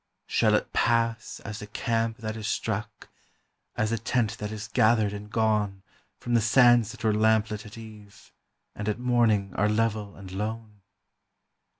Shall it pass as a camp that is struck, as a tent that is gathered and gone From the sands that were lamp lit at eve, and at morning are level and lone?